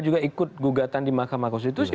juga ikut gugatan di mahkamah konstitusi